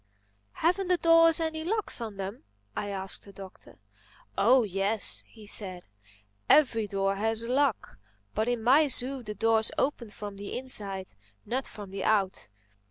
"Haven't the doors any locks on them?" I asked the Doctor. "Oh yes," he said, "every door has a lock. But in my zoo the doors open from the inside, not from the out.